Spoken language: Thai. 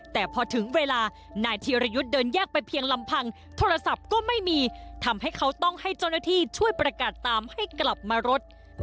แต่พอถึงเวลานายธีรยุทธ์เดินแยกไปเพียงลำพังโทรศัพท์ก็ไม่มีทำให้เขาต้องให้เจ้าหน้าที่ช่วยประกาศตามให้กลับมารถ